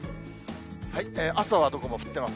朝はどこも降ってます。